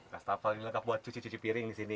wastafel ini lengkap buat cuci cuci piring disini ya